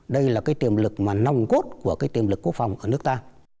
đây là cái tiềm lực mà nông cốt của cái tiềm lực quốc phòng ở nước ta